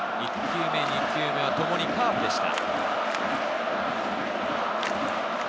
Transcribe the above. １球目、２球目はともにカーブでした。